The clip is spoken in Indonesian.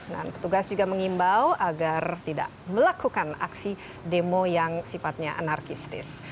nah petugas juga mengimbau agar tidak melakukan aksi demo yang sifatnya anarkistis